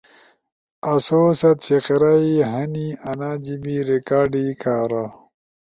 آسو ست فقرہ ئے ہنی انا جیِبی ریکارڈی کارا